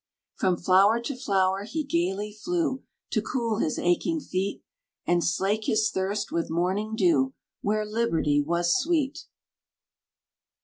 From flower to flower he gayly flew, To cool his aching feet, And slake his thirst with morning dew, Where liberty was sweet!